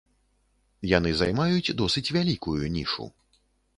Яны займаюць досыць вялікую нішу.